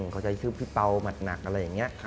เขาใช้ชื่อพี่เปล่าหมัดหนักอะไรอย่างนี้